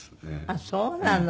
あっそうなの。